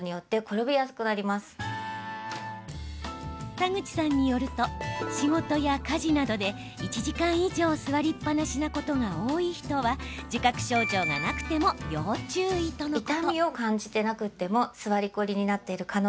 田口さんによると仕事や家事などで、１時間以上座りっぱなしなことが多い人は自覚症状がなくても要注意とのこと。